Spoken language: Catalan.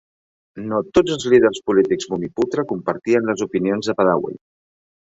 No tots els líders polítics "bumiputra" compartien les opinions de Badawi.